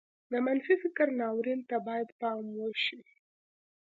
د منفي فکر ناورين ته بايد پام وشي.